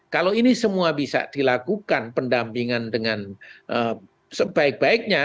kalau ini semua bisa dilakukan pendampingan dengan sebaik baiknya